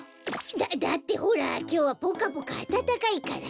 だだってほらきょうはぽかぽかあたたかいから。